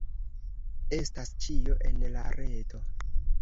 Estas ĉio en la reto.